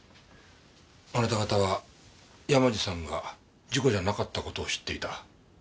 あなた方は山路さんが事故じゃなかった事を知っていた。